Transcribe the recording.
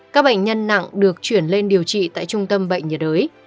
các bệnh nhân nặng được chuyển lên điều trị tại trung tâm bệnh nhiệt đới